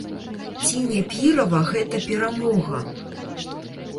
Ці не пірава гэта перамога?